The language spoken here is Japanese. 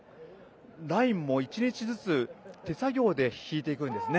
ラインも１日ずつ手作業で引いていくんですね。